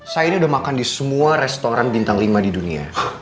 saya ini udah makan di semua restoran bintang lima di dunia